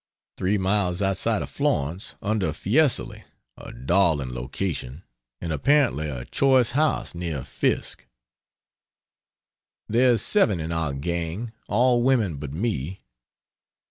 Three miles outside of Florence, under Fiesole a darling location, and apparently a choice house, near Fiske. There's 7 in our gang. All women but me.